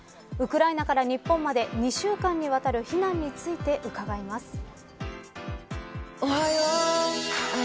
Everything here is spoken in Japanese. ウクライナから日本まで２週間にわたる避難について伺います。